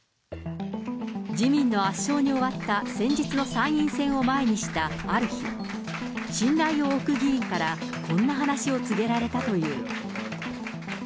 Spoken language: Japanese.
自民の圧勝に終わった先日の参院選を前にしたある日、信頼を置く議員から、こんな話を告げられたという。